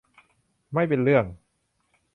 ไม่เป็นเรื่อง